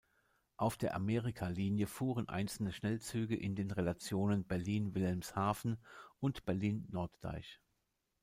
Auf der Amerikalinie fuhren einzelne Schnellzüge in den Relationen Berlin–Wilhelmshaven und Berlin–Norddeich.